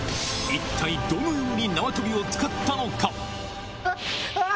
一体どのように縄跳びを使っあっ、ああっ。